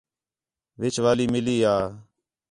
وِچ والی مِلی ہا